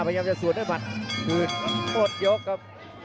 พยายามจะสวนด้วยหมัดคืนหมดยกครับ